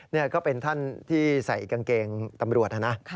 นี่ก็เป็นท่านที่ใส่กางเกงตำรวจนะนะ